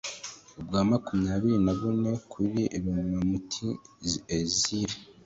ubwa makumyabiri na bune kuri romamuti ezeri